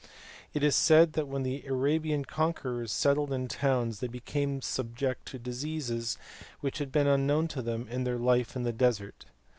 It is said that when the Arabian conquerors settled in towns they became subject to diseases which had been unknown to them in their life in the desert.